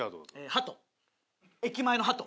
ハト駅前のハト。